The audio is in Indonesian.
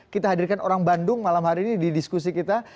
kita hadirkan orang bandung malam hari ini di diskusi kita